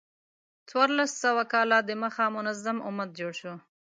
څوارلس سوه کاله د مخه منظم امت جوړ شو.